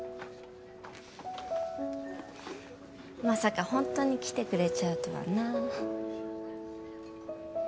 まさかホントに来てくれちゃうとはなぁ。